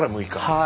はい。